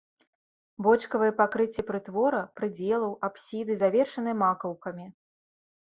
Бочкавыя пакрыцці прытвора, прыдзелаў, апсіды завершаны макаўкамі.